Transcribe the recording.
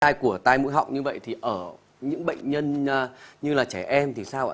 tài của tài mũi họng như vậy thì ở những bệnh nhân như là trẻ em thì sao ạ